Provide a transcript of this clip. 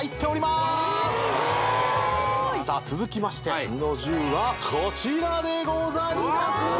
すごいさあ続きまして弐之重はこちらでございます